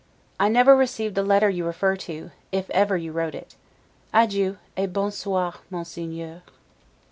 I never received the letter you refer to, if ever you wrote it. Adieu, et bon soir, Monseigneur.